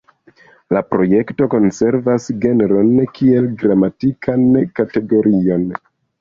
La projekto konservas genron kiel gramatikan kategorion.